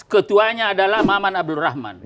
ketuanya adalah maman abdul rahman